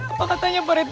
apa katanya pak rt